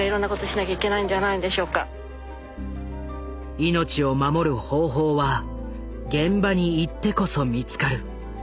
命を守る方法は現場に行ってこそ見つかる。